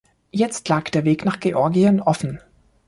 Jetzt lag der Weg nach Georgien offen.